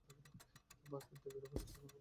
ভাগ্যের দেবীরা পুরুষদের ভাগ্য নিয়ন্ত্রণ করে।